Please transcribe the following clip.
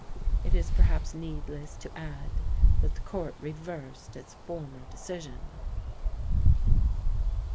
It is perhaps needless to add that the court reversed its former decision.